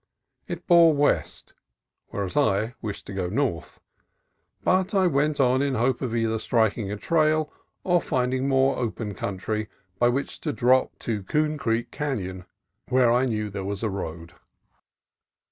It bore west, whereas I wished to go north, but I went on in hope of either striking a trail or finding more open country by which to drop to Coon Creek Canon, where I knew there was a road.